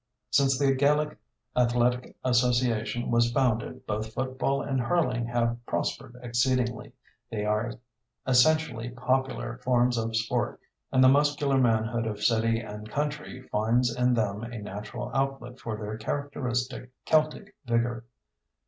Since the Gaelic Athletic Association was founded both football and hurling have prospered exceedingly. They are essentially popular forms of sport, and the muscular manhood of city and country finds in them a natural outlet for their characteristic Celtic vigor.